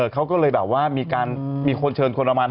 เขาก็ดั่งว่ามีก็จะมีใช้คนเชิญคนละมาน๕๐คน